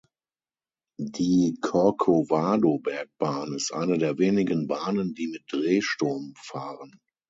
Die Corcovado-Bergbahn ist eine der wenigen Bahnen, die mit Drehstrom fahren.